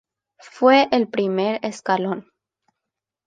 Fue el primer escalón.